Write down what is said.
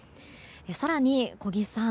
更に、小木さん。